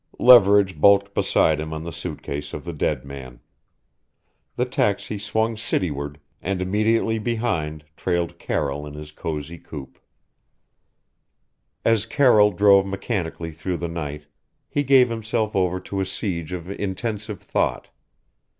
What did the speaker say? Leverage bulked beside him on the suit case of the dead man. The taxi swung cityward, and immediately behind trailed Carroll in his cozy coupe. As Carroll drove mechanically through the night, he gave himself over to a siege of intensive thought.